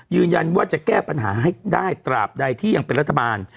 ยืนยันว่าจะแก้ปัญหาให้ได้ตราบใดที่ยังเป็นรัฐบาล